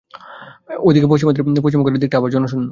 ওদিকে পশ্চিমদিকের ঘরটা আবার জনশূন্য।